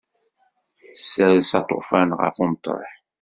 Tsers aṭufan ɣef umeṭreḥ.